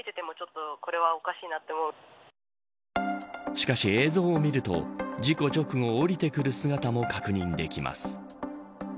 しかし、映像を見ると事故直後、降りてくる姿も確認できます。